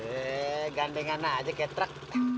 eh gandengana aja kayak truk